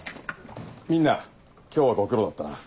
みんな今日はご苦労だったな。